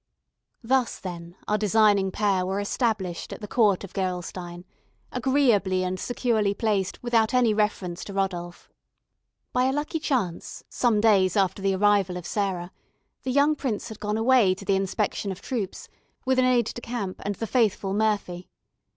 Thus, then, our designing pair were established at the court of Gerolstein, agreeably and securely placed without any reference to Rodolph. By a lucky chance, some days after the arrival of Sarah, the young prince had gone away to the inspection of troops, with an aide de camp and the faithful Murphy.